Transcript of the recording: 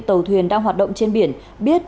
tàu thuyền đang hoạt động trên biển biết